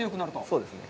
そうですね。